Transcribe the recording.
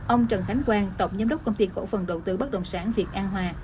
ông trần khánh quang tổng giám đốc công ty cổ phần đầu tư bất động sản việt an hòa